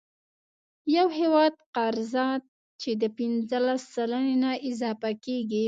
د یو هیواد قرضه چې د پنځلس سلنې نه اضافه کیږي،